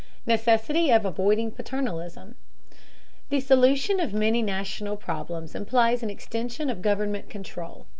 NECESSITY OF AVOIDING PATERNALISM. The solution of many national problems implies an extension of government control.